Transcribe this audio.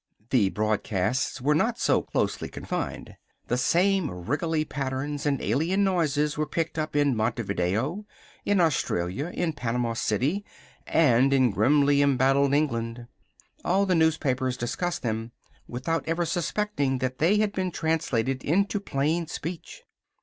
The broadcasts were not so closely confined. The same wriggly patterns and alien noises were picked up in Montevideo, in Australia, in Panama City, and in grimly embattled England. All the newspapers discussed them without ever suspecting that they had been translated into plain speech.